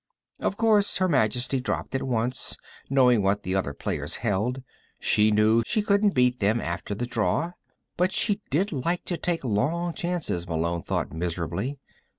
Of course Her Majesty dropped at once; knowing what the other players held, she knew she couldn't beat them after the draw. But she did like to take long chances, Malone thought miserably.